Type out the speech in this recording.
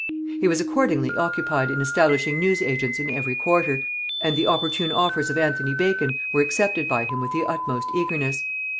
He was accordingly occupied in establishing news agents in every quarter, and the opportune offers of Anthony Bacon were accepted by him with the utmost eagerness.